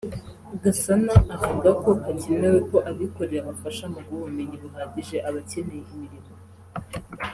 Gasana avuga ko hakenewe ko abikorera bafasha mu guha ubumenyi buhagije abakeneye imirimo